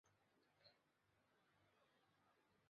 量子芝诺效应的名字起源于经典的芝诺悖论。